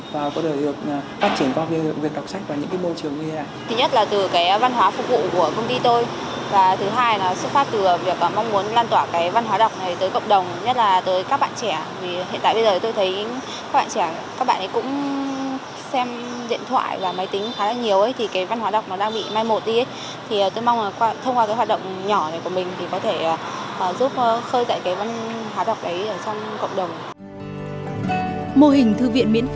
mỗi người có những tiềm năng riêng và có thể được phát triển được thói quen đọc sách của những bạn trẻ việt